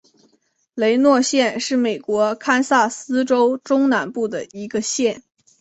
雷诺县是美国堪萨斯州中南部的一个县。